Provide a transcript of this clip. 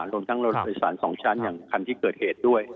รวมทั้งรถโดยสาร๒ชั้นอย่างคันที่เกิดเหตุด้วย